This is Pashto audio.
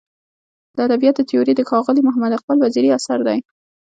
د ادبیاتو تیوري د ښاغلي محمد اقبال وزیري اثر دی.